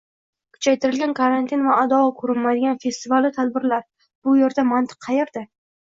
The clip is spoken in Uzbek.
Kuchaytirilgan karantin va adog‘i ko‘rinmaydigan festival-u tadbirlar. Bu yerda mantiq qayerda?